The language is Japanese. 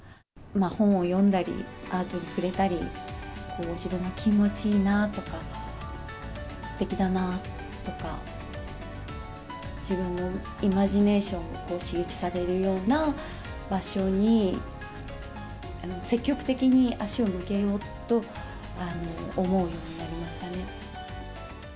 本を読んだり、アートに触れたり、自分が気持ちいいなとかすてきだなとか、自分のイマジネーションを刺激されるような場所に、積極的に足を向けようと思うようになりましたね。